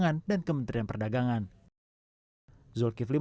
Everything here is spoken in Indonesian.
yang kita sita dan musnahkan itu